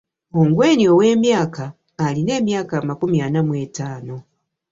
Ongwen ow'emyaka Alina emyaka amakumi ana mu etaano